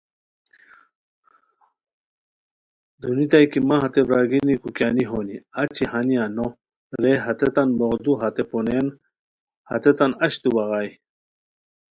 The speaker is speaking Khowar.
دونیتائے کی مہ ہتے برارگینی کوُ کیانی ہونی! اچی ہانیا نوا! رے ہتیتان بوغدو ہتے پونین ہتیتان اچتو بغائے